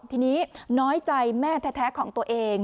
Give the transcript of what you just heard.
ทีนี้น้อยใจแม่แท้ของตัวเอง